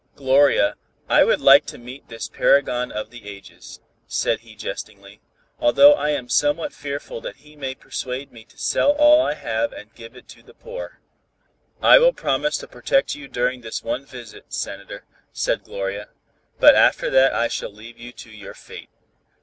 "Gloria, I would like to meet this paragon of the ages," said he jestingly, "although I am somewhat fearful that he may persuade me to 'sell all that I have and give it to the poor.'" "I will promise to protect you during this one visit, Senator," said Gloria, "but after that I shall leave you to your fate."